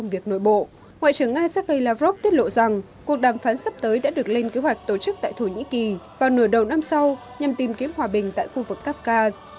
ngoại trưởng nga sergei lavrov tiết lộ rằng cuộc đàm phán sắp tới đã được lên kế hoạch tổ chức tại thổ nhĩ kỳ vào nửa đầu năm sau nhằm tìm kiếm hòa bình tại khu vực kafkaz